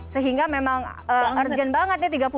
sehingga memang urgent banget ya